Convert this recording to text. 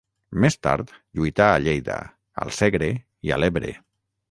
Més tard, lluità a Lleida, al Segre i a l'Ebre.